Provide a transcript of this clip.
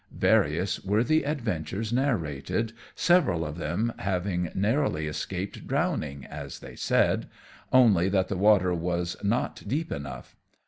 Various were the adventures narrated, several of them having narrowly escaped drowning, as they said only that the water was not deep enough.